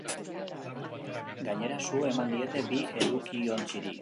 Gainera, su eman diete bi edukiontziri.